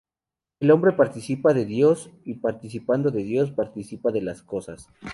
El hombre participa de Dios y participando de Dios, participa de las cosas.